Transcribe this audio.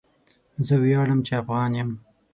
زه وياړم چي افغان يم.